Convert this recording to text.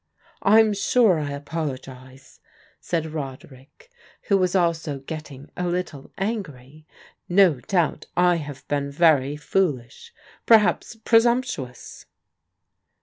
" I'm sure I apologize," said Roderick, who was also ' getting a little angry ;" no doubt I have been very foolish — ^perhaps presumptuous."